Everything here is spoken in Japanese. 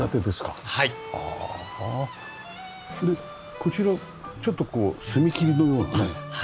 こちらちょっとこう隅切り部分をね。